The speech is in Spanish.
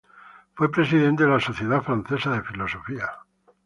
Fue Presidente de la Sociedad Francesa de Filosofía.